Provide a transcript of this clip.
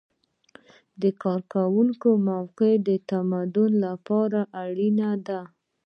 د کارکوونکي موافقه د تمدید لپاره اړینه ده.